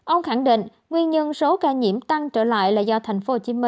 ông khẳng định nguyên nhân số ca nhiễm tăng trở lại là do tp hcm